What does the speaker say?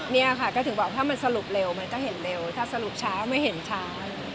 เนี่ยค่ะก็ถึงบอกถ้ามันสรุปเร็วมันก็เห็นเร็วถ้าสรุปช้าไม่เห็นช้า